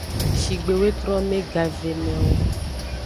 Shigbe zetrome gavemewo.